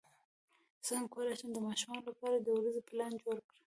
څنګه کولی شم د ماشومانو لپاره د ورځې پلان جوړ کړم